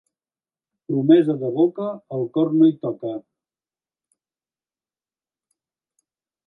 Promesa de boca, el cor no hi toca.